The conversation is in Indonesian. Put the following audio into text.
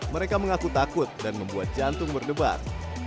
mereka mengaku takut dan membuat jantung berdebat